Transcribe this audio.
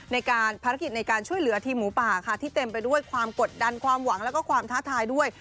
ในการภารกิจในการช่วยเหลือทีมหมูป่าค่ะที่เต็มไปด้วยความกดดันความหวังแล้วก็ความท้าทายด้วย